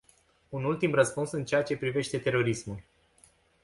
Un ultim răspuns în ceea ce privește terorismul.